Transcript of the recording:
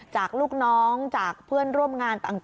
จากลูกน้องจากเพื่อนร่วมงานต่าง